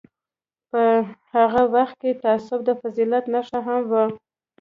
په هغه وخت کې تعصب د فضیلت نښه هم وه.